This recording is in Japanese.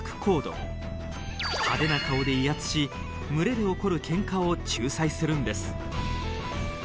派手な顔で威圧し群れで起こるけんかを仲裁するんです。